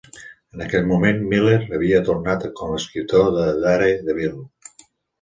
En aquell moment, Miller havia tornat com a escriptor de "Daredevil".